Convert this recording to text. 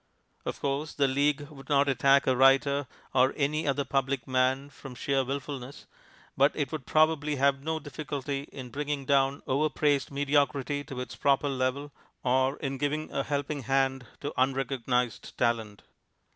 Of course, the League would not attack a writer or any other public man from sheer wilfulness, but it would probably have no difficulty in bringing down over praised mediocrity to its proper level or in giving a helping hand to unrecognized talent.